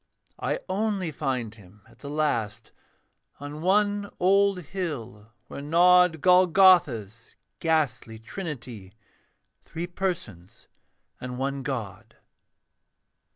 I only find him at the last, On one old hill where nod Golgotha's ghastly trinity Three persons and one god.